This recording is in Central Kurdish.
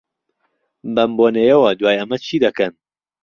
بەم بۆنەیەوە، دوای ئەمە چی دەکەن؟